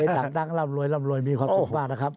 สินเจียอยู่ต่างร่ำรวยร่ำรวยมีความสุขมากนะครับ